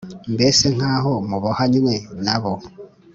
mbese nk aho mubohanywe na bo